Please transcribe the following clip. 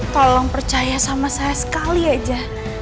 tolong percaya sama saya sekali aja